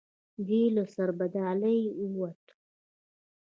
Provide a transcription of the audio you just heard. دی له سربدالۍ ووت.